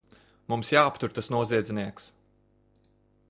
Mums jāaptur tas noziedznieks!